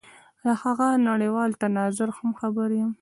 له هغه نړېوال تناظر هم خبر یم.